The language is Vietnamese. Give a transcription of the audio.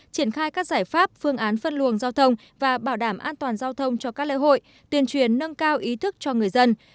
triển khai các giải pháp phương án phân luồng giao thông và bảo đảm an toàn giao thông cho các lễ hội tuyên truyền nâng cao ý thức cho người dân